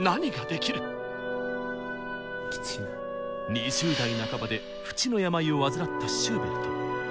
２０代半ばで不治の病を患ったシューベルト。